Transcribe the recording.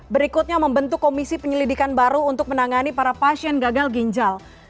berikutnya membentuk komisi penyelidikan baru untuk menangani para pasien gagal ginjal